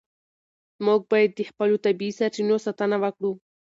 موږ باید د خپلو طبیعي سرچینو ساتنه وکړو.